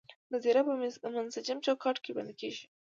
نظریه په منسجم چوکاټ کې وړاندې کیږي.